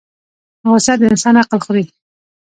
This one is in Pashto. غصه د انسان عقل خوري